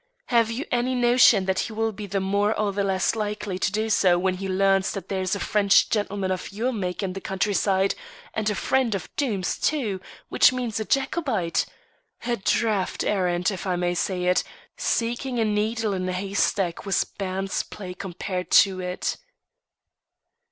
Have you any notion that he will be the more or the less likely to do so when he learns that there's a French gentleman of your make in the country side, and a friend of Doom's, too, which means a Jacobite? A daft errand, if I may say it; seeking a needle in a haystack was bairn's play compared to it."